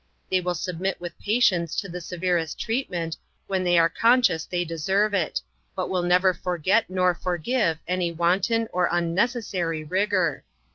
They will submit with patience to the severest treat ment, when they are conscious they deserve it, but will nev er forget nor forgive any wanton or unnecessary rigour.